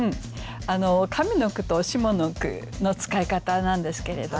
上の句と下の句の使い方なんですけれども。